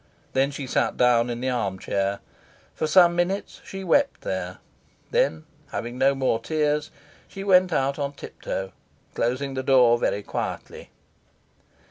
Then she sat down in the arm chair. For some minutes she wept there. Then, having no more, tears, she went out on tip toe, closing the door very quietly.